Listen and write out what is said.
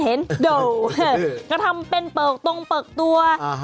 ก็ทำเป็นเปิกตรงเปิกตัว